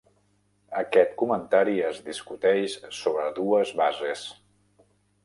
Aquest comentari es discuteix sobre dues bases.